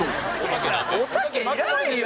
おたけいらないよ